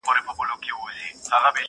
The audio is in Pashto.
o دوه وړونه درېيم ئې حساب!